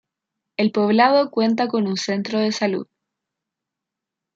El poblado cuenta con un Centro de Salud.